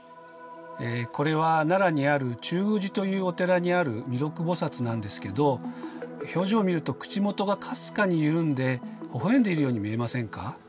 これは奈良にある中宮寺というお寺にある弥勒菩なんですけど表情を見ると口元がかすかに緩んでほほ笑んでいるように見えませんか？